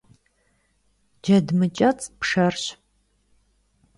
Джэд мыкӀэцӀ пшэрщ.